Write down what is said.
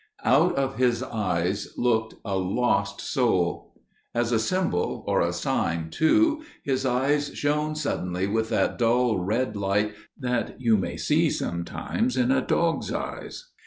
"Out of his eyes looked a lost soul. As a symbol, or a sign, too, his eyes shone suddenly with that dull red light that you may see sometimes in a dog's eyes.